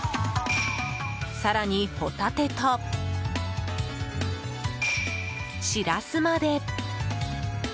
更に、ホタテとシラスまで。